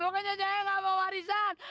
pokoknya ayah nggak mau warisan